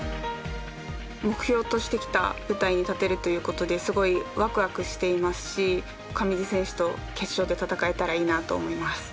目標としてきた舞台に立てるということですごいワクワクしていますし上地選手と決勝で戦えたらいいなと思います。